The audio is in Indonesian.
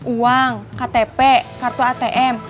uang ktp kartu atm